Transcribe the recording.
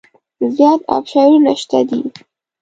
زیات اپشنونه شته دي.